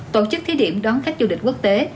tổ chức thí điểm đón khách du lịch quốc tế